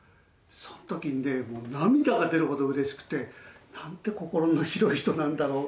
そんときにね、もう涙が出るほどうれしくて。なんて心の広い人なんだろう。